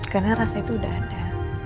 karena rasa itu udah ada